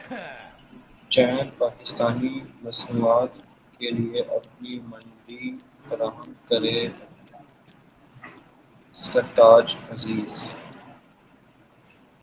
چین پاکستانی مصنوعات کیلئے اپنی منڈی فراہم کرے سرتاج عزیز